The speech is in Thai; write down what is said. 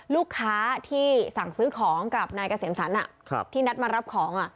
ลูกค้าที่สั่งซื้อของกับนายเกษมสรรที่นัดมารับของ